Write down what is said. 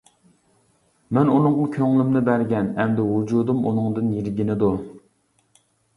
مەن ئۇنىڭغا كۆڭلۈمنى بەرگەن، ئەمدى ۋۇجۇدۇم ئۇنىڭدىن يىرگىنىدۇ.